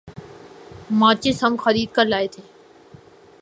ماچس ہم خرید کر لائے تھے ۔